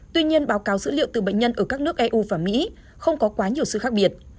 tuy nhiên báo cáo dữ liệu từ bệnh nhân ở các nước eu và mỹ không có quá nhiều sự khác biệt